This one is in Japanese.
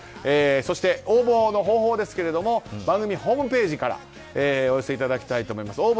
そして、応募の方法ですが番組ホームページからお寄せいただきたいと思います。